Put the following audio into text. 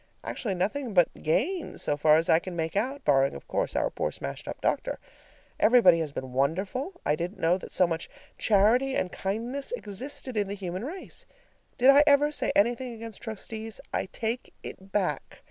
Actually, nothing but gain so far as I can make out, barring, of course, our poor smashed up doctor. Everybody has been wonderful; I didn't know that so much charity and kindness existed in the human race. Did I ever say anything against trustees? I take it back.